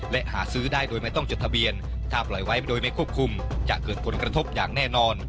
ถ้าปล่อยไว้ไปโดยไม่ควบคุมจะเกิดผลกระทบอย่างแน่นอน